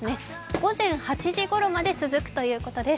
午前８時ごろまで続くということです。